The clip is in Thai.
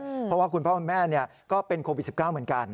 เพราะว่าคุณพ่อคุณแม่ก็เป็นโควิด๑๙เหมือนกัน